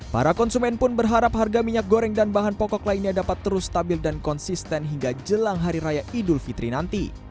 para konsumen pun berharap harga minyak goreng dan bahan pokok lainnya dapat terus stabil dan konsisten hingga jelang hari raya idul fitri nanti